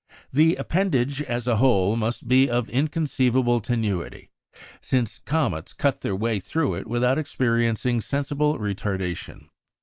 The appendage, as a whole, must be of inconceivable tenuity, since comets cut their way through it without experiencing sensible retardation.